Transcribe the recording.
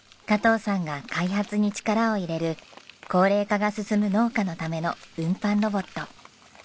加藤さんが開発に力を入れる高齢化が進む農家のための運搬ロボット。